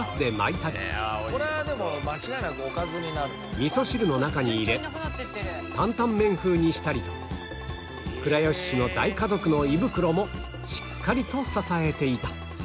味噌汁の中に入れ担々麺風にしたりと倉吉市の大家族の胃袋もしっかりと支えていた